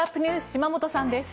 島本さんです。